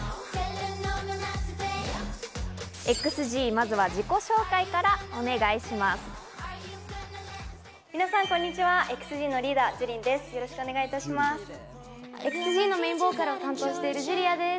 ＸＧ、まずは自己紹介からお願いします。